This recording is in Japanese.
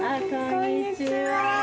こんにちは。